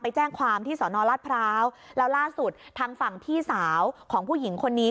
แจ้งความที่สอนอรัฐพร้าวแล้วล่าสุดทางฝั่งพี่สาวของผู้หญิงคนนี้